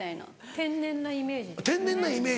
天然なイメージ。